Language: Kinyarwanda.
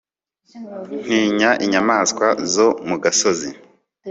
ntinya inyamaswa zo mu gasozi